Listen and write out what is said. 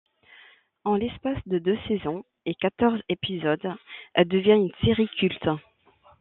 En l'espace de deux saisons et quatorze épisodes, elle devient une série culte.